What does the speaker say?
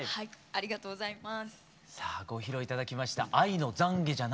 ありがとうございます。